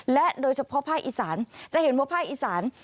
และโดยเฉพาะภาคอีสานจะเห็นว่าภาคอีสาน